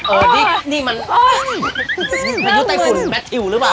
โอ้ยนี่มันมันอยู่ใต้ฝุ่นแบตทิวหรือเปล่า